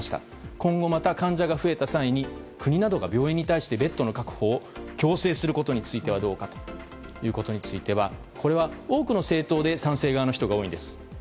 今後また患者が増えた際に国などが病院に対してベッドの確保を強制することについてはどうかということに居ついては多くの政党で賛成の人が多いんです。